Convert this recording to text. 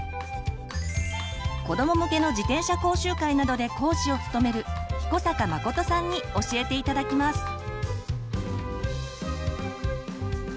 子ども向けの自転車講習会などで講師を務める彦坂誠さんに教えて頂きます。